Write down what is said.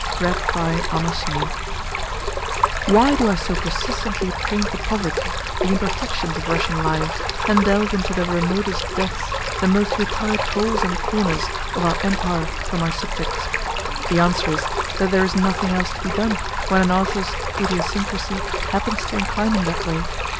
PART II CHAPTER I Why do I so persistently paint the poverty, the imperfections of Russian life, and delve into the remotest depths, the most retired holes and corners, of our Empire for my subjects? The answer is that there is nothing else to be done when an author's idiosyncrasy happens to incline him that way.